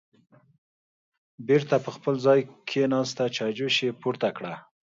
بېرته په خپل ځای کېناسته، چایجوش یې پورته کړه